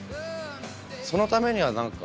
そのためには何か。